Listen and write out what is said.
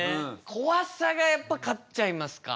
怖さがやっぱ勝っちゃいますか？